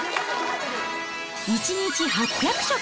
１日８００食！